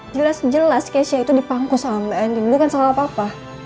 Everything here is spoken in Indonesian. mbak anin ngejagain mbak anin bukan salah papa